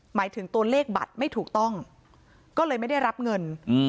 หมายถึงตัวเลขบัตรไม่ถูกต้องก็เลยไม่ได้รับเงิน